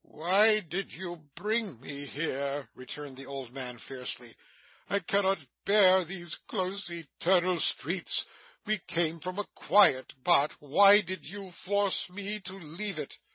'Why did you bring me here?' returned the old man fiercely. 'I cannot bear these close eternal streets. We came from a quiet part. Why did you force me to leave it?